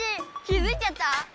気付いちゃった？